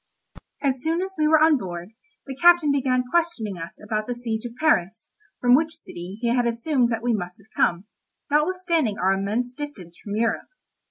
As soon as we were on board, the captain began questioning us about the siege of Paris, from which city he had assumed that we must have come, notwithstanding our immense distance from Europe.